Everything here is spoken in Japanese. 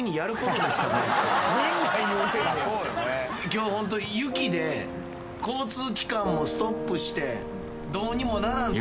今日ホント雪で交通機関もストップしてどうにもならん。